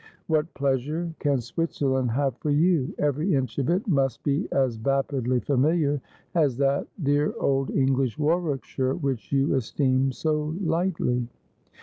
What pleasure can Switzerland have for you ? Every inch of it must be as vapidly familiar a« that dear old English Warwickshire which you esteem so lightly.'